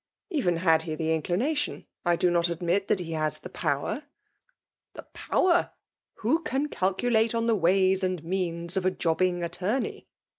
" Even had he the inclination^ I do not a^ mit that he has the power/* The power 9 Who caa calculate «n the ways send means of a jobbing attorney